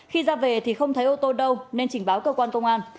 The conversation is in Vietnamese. khi ra về thì không thấy ô tô đâu nên trình báo cơ quan công an